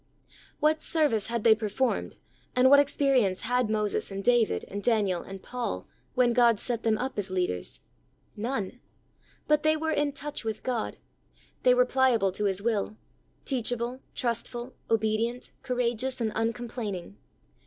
What service had they performed, and what experience had Moses, and David, and Daniel, and Paul, when God set them up as leaders? None. But they were in touch with God; they were pliable to His will, teachable, trustful, obedient, cour ageous and uncomplaining.